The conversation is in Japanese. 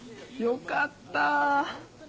よかった。